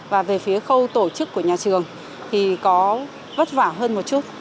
và về phía khâu tổ chức của nhà trường thì có vất vả hơn một chút